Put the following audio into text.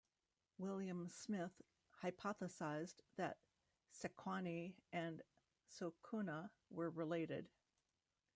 William Smith hypothesized that Sequani and Souconna were related.